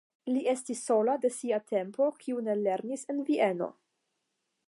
Li estis sola de sia tempo, kiu ne lernis en Vieno.